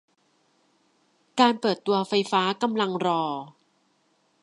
การเปิดตัวไฟฟ้ากำลังรอ